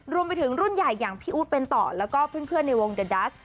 รวมไปถึงรุ่นใหญ่อย่างพี่อู๊ดเป็นต่อแล้วก็เพื่อนในวงเดอร์ดัส